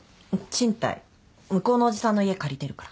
向こうのおじさんの家借りてるから。